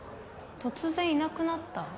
突然いなくなった？